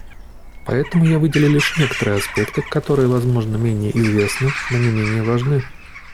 Поэтому я выделю лишь некоторые аспекты, которые, возможно, менее известны, но не менее важны.